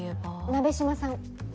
鍋島さん。